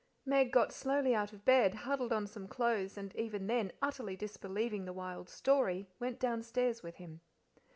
Meg got slowly out of bed, huddled on some clothes, and even then utterly disbelieving the wild story, went downstairs with him.